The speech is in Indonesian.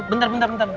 bentar bentar bentar